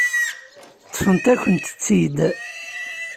Ṭṭfent-akent-tt-id.